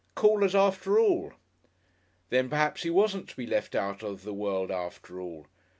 Callers after all! Then perhaps he wasn't to be left out of the world after all.